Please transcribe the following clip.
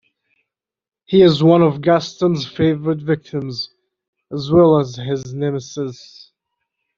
He is one of Gaston's favorite "victims" as well as his nemesis.